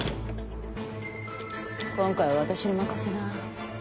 今回は私に任せな。